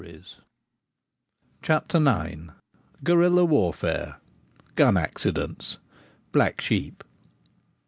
193 CHAPTER IX. GUERILLA WARFARE — GUN ACCIDENTS — BLACK SHEEP.